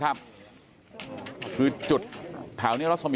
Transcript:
กลุ่มตัวเชียงใหม่